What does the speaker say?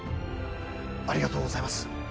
ありがとうございます。